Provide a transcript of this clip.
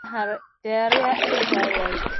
Harnoy was born in Hadera, Israel.